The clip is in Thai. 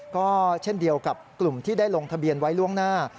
ก็เช่นเดียวกับกลุ่มที่ได้ลงทะเบียนไว้ล่วงหน้า